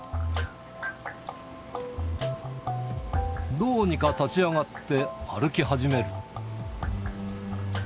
どうにか立ち上がって、歩き始める。